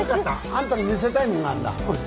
あんたに見せたいものがあるんだおい